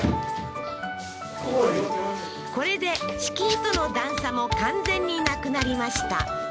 これで敷居との段差も完全になくなりました